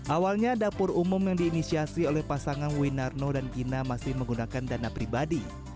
awalnya dapur umum yang diinisiasi oleh pasangan winarno dan gina masih menggunakan dana pribadi